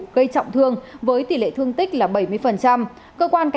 gây trọng thương với tỷ lệ thương tích là bảy